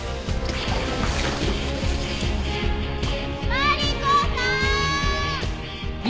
マリコさーん！